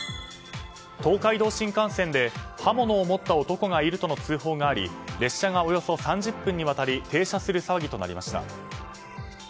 東海道新幹線で刃物を持った男がいるとの通報があり列車がおよそ３０分にわたり停車する騒ぎとなりました。